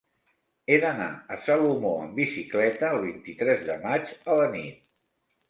He d'anar a Salomó amb bicicleta el vint-i-tres de maig a la nit.